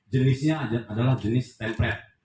jenisnya adalah jenis tempered